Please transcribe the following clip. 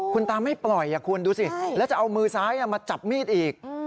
คุณตาไม่ปล่อยคุณดูสิแล้วจะเอามือซ้ายมาจับมีดอีก